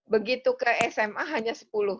begitu ke sma hanya sepuluh